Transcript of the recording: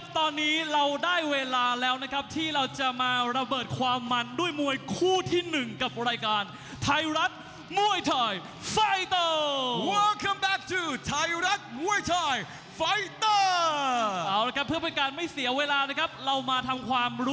ไทยรัฐมวยไทยไฟเตอร์